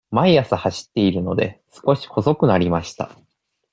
毎朝走っているので、少し細くなりました。